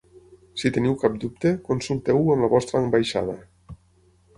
Si teniu cap dubte, consulteu-ho amb la vostra Ambaixada.